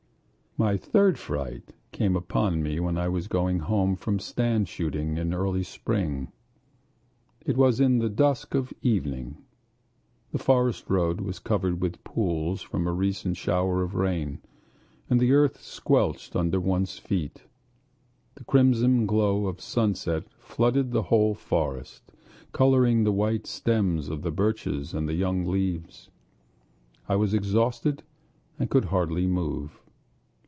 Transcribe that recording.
My third fright came upon me as I was going home from stand shooting in early spring. It was in the dusk of evening. The forest road was covered with pools from a recent shower of rain, and the earth squelched under one's feet. The crimson glow of sunset flooded the whole forest, coloring the white stems of the birches and the young leaves. I was exhausted and could hardly move.